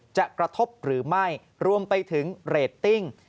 กระทบหรือไม่รวมไปถึงเรตติ้ง